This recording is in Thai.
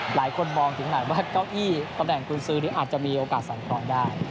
หลายคนมองถึงหลายวัดเก้าอี้ตำแหน่งกลุ่นซื้ออาจจะมีโอกาสสันตอนได้